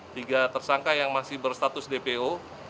tiga tersangka yang masih berstatus dpo